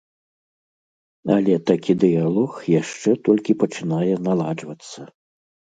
Але такі дыялог яшчэ толькі пачынае наладжвацца.